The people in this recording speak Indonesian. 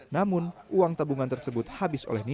namun uang tabungan tersebut habis oleh